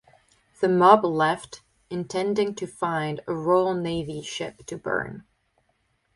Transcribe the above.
The mob left, intending to find a Royal Navy ship to burn.